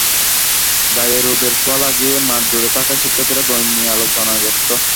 গায়ে রোদের ছোঁয়া লাগিয়ে মাঠজুড়ে থাকা শিক্ষার্থীরা গণিত নিয়ে আলোচনায় ব্যস্ত।